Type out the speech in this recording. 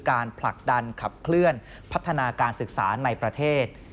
ผลักดันขับเคลื่อนพัฒนาการศึกษาในประเทศ